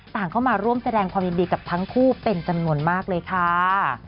เข้ามาร่วมแสดงความยินดีกับทั้งคู่เป็นจำนวนมากเลยค่ะ